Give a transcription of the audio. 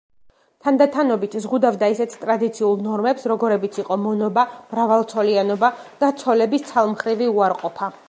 თანდათანობით ზღუდავდა ისეთ ტრადიციულ ნორმებს, როგორებიც იყო მონობა, მრავალცოლიანობა და ცოლების ცალმხრივი უარყოფა.